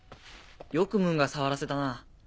よくムーンが触らせたな。